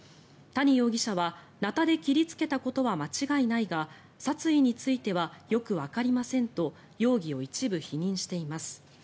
谷容疑者はなたで切りつけたことは間違いないが殺意についてはよくわかりませんと容疑を一部否認しています。